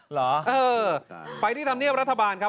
เหรอเออไปที่ธรรมเนียบรัฐบาลครับ